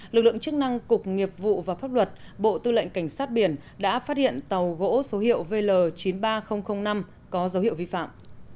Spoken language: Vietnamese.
lực lượng chức năng cục nghiệp vụ và pháp luật bộ tư lệnh cảnh sát biển đã phát hiện tàu gỗ số hiệu vl chín mươi ba nghìn năm có dấu hiệu vi phạm